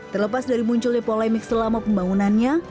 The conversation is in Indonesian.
terlepas dari munculnya polemik selama pembangunannya